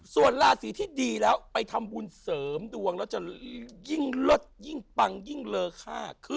ส่วนราศีที่ดีแล้วไปทำบุญเสริมดวงแล้วจะยิ่งเลิศยิ่งปังยิ่งเลอค่า